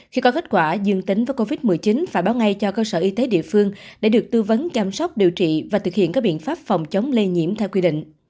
khi có kết quả dương tính với covid một mươi chín phải báo ngay cho cơ sở y tế địa phương để được tư vấn chăm sóc điều trị và thực hiện các biện pháp phòng chống lây nhiễm theo quy định